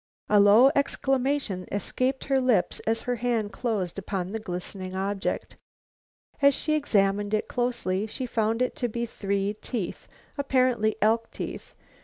A low exclamation escaped her lips as her hand closed upon the glistening object. As she examined it closely, she found it to be three teeth, apparently elk teeth.